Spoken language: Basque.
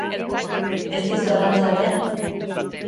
Ez dizu erran zer den?